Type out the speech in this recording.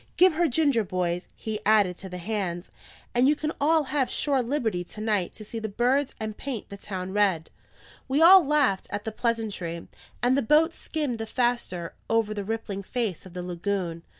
Give her ginger, boys!" he added to the hands, "and you can all have shore liberty to night to see the birds and paint the town red." We all laughed at the pleasantry, and the boat skimmed the faster over the rippling face of the lagoon.